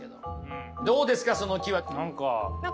どうですかその木は。